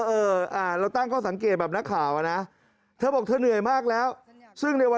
เออเราตั้งข้อสังเกตแบบนักข่าวนะเธอบอกเธอเหนื่อยมากแล้ว